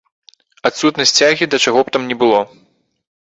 Адсутнасць цягі да чаго б там ні было.